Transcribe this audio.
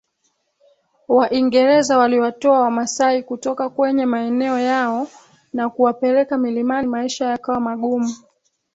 Waingereza waliwatoa wamasai kutoka kwenye maeneo yao na kuwapeleka milimani maisha yakawa magumu